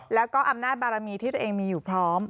แล้วก็อำนาจบารมีที่ตัวเองมีอยู่พร้อม